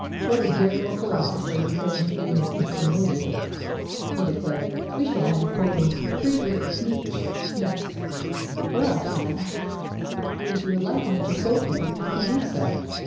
"What a dear little philosopher you've grown to be in a single year!" he declared. "We shall have you quoting Friedrich Nietzsche next." "Well," she laughed, "if you would like me to quote him I can do so.